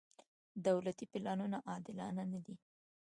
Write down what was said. دولتي پلانونه عادلانه نه دي.